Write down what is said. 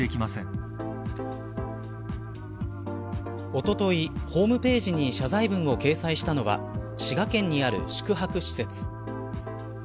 おととい、ホームページに謝罪文を掲載したのは滋賀県にある宿泊施設。